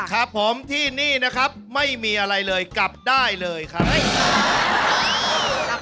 ครับผมที่นี่นะครับไม่มีอะไรเลยกลับได้เลยครับ